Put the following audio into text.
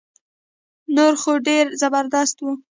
نور خو ډير زبردست وو